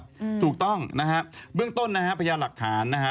อืมถูกต้องนะฮะเบื้องต้นนะฮะพยานหลักฐานนะฮะ